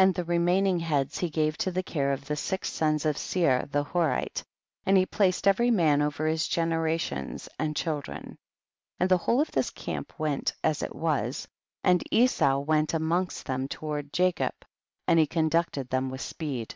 67. And the remaining heads he gave to the care of the six sons of Seir the Horite, and he placed every man over his generations and child ren. 68 And the whole of this camp went as it was, and Esau went amongst them toward Jacob, and he conducted them with speed.